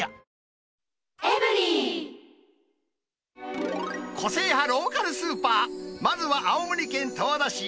あ個性派ローカルスーパー、まずは青森県十和田市。